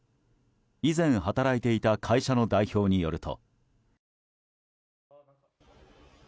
以前、働いていた会社の代表によると。